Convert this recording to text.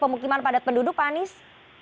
pemukiman padat penduduk pak anies